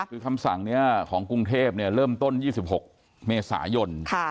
คือคำสั่งเนี้ยของกรุงเทพเนี่ยเริ่มต้นยี่สิบหกเมษายนค่ะ